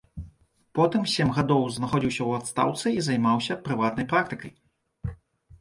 Потым сем гадоў знаходзіўся ў адстаўцы і займаўся прыватнай практыкай.